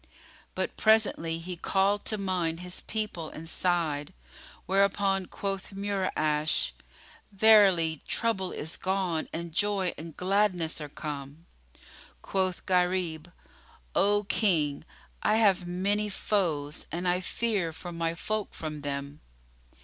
But presently he called to mind his people and sighed, whereupon quoth Mura'ash, "Verily, trouble is gone and joy and gladness are come." Quoth Gharib, "O King, I have many foes and I fear for my folk from them."